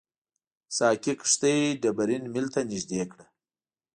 ساقي کښتۍ ډبرین میل ته نږدې کړه.